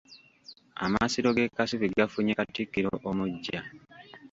Amasiro g’e Kasubi gafunye Katikkiro omuggya.